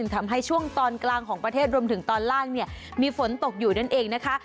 ทำให้ช่วงตอนกลางของประเทศรวมถึงตอนล่างเนี่ยมีฝนตกอยู่นั่นเองนะคะ